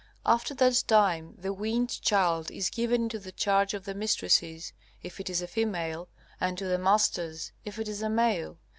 After that time the weaned child is given into the charge of the mistresses, if it is a female, and to the masters, if it is a male.